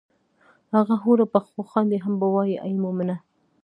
هغه حوره به وخاندي هم به وائي ای مومنه!